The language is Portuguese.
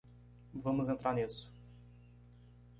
Vamos entrar nisso.